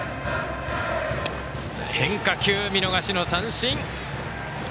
変化球、見逃しの三振！